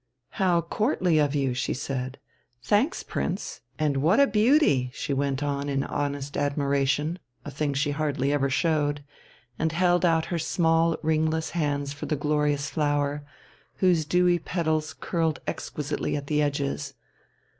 "How courtly of you!" she said. "Thanks, Prince. And what a beauty!" she went on in honest admiration (a thing she hardly ever showed), and held out her small, ringless hands for the glorious flower, whose dewy petals curled exquisitely at the edges.